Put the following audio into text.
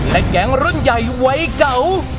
และแก๊งรุ่นใหญ่วัยเก่า